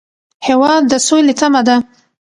هېواد د سولې تمه ده.